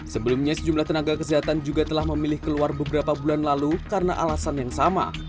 sebelumnya sejumlah tenaga kesehatan juga telah memilih keluar beberapa bulan lalu karena alasan yang sama